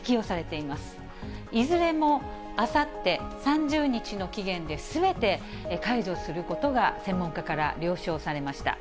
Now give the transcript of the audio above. いずれもあさって３０日の期限ですべて解除することが専門家から了承されました。